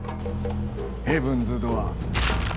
ヘブンズ・ドアー。